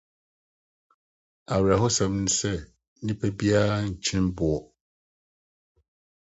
Awerɛhosɛm ne sɛ nnipa biara nkyen boɔ.